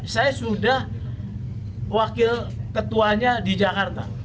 saya sudah wakil ketuanya di jakarta